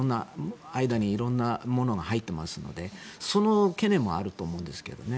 間に色んなものが入っていますのでその懸念もあると思うんですけどね。